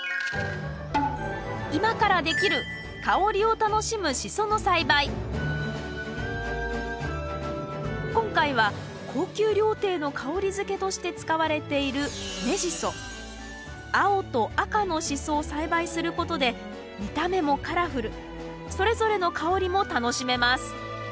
今からできる今回は高級料亭の香り付けとして使われている青と赤のシソを栽培することで見た目もカラフルそれぞれの香りも楽しめます。